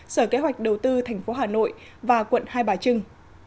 sở kế hoạch đầu tư tp hà nội và quận hai bà trưng